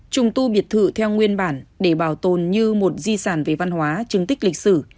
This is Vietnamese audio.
trùng tu biệt thự theo nguyên bản để bảo tồn như một di sản về văn hóa chứng tích lịch sử